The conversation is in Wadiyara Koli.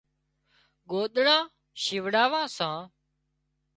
ڳوۮڙان شِوڙاوان سان